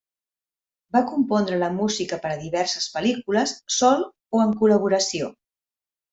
Va compondre la música per diverses pel·lícules, sol o en col·laboració.